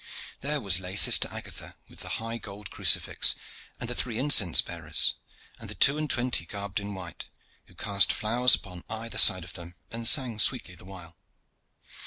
There was lay sister Agatha with the high gold crucifix, and the three incense bearers, and the two and twenty garbed in white, who cast flowers upon either side of them and sang sweetly the while.